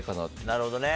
なるほどね。